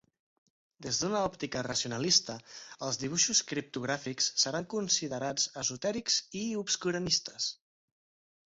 Des d'una òptica racionalista els dibuixos criptogràfics seran considerats esotèrics i obscurantistes.